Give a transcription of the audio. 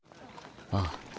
ああ。